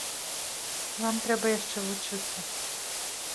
Вам трэба яшчэ вучыцца.